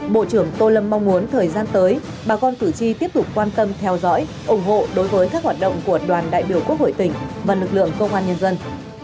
bộ trưởng tô lâm mong muốn thời gian tới bà con cử tri tiếp tục quan tâm theo dõi ủng hộ đối với các hoạt động của đoàn đại biểu quốc hội tỉnh và lực lượng công an nhân dân